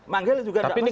manggil juga nggak masalah